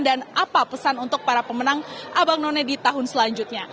dan apa pesan untuk para pemenang abang none di tahun selanjutnya